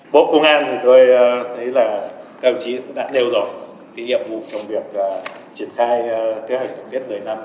bộ công an thì tôi thấy là các vị trí đã nêu rõ cái nhiệm vụ trong việc triển khai kế hoạch tổng tiết một mươi năm